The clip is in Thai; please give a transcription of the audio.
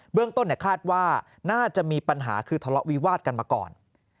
เรื่องต้นคาดว่าน่าจะมีปัญหาคือทะเลาะวิวาดกันมาก่อน